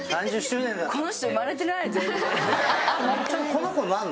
この子何なの？